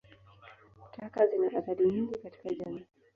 Taka zina athari nyingi katika jamii.